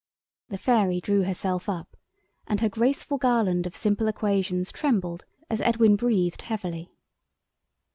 The fairy drew herself up, and her graceful garland of simple equations trembled as Edwin breathed heavily.